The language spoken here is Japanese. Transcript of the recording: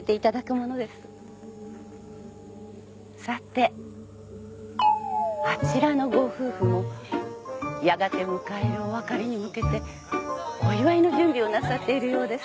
さてあちらのご夫婦もやがて迎えるお別れに向けてお祝いの準備をなさっているようです。